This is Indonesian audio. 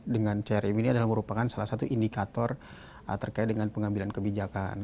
dengan crm ini adalah merupakan salah satu indikator terkait dengan pengambilan kebijakan